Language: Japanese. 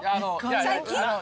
最近？